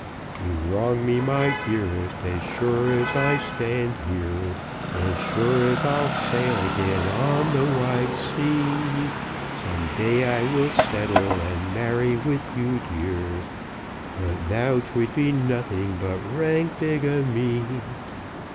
"You wrong me, my dearest, as sure as I stand here, As sure as I'll sail again on the wide sea; Some day I will settle, and marry with you, dear, But now 'twould be nothing but rank bigamy."